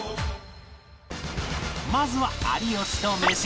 まずは有吉とメシ